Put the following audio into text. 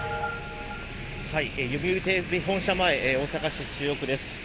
読売テレビ本社前、大阪市中央区です。